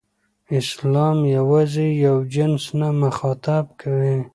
اسلام یوازې یو جنس نه مخاطب کوي.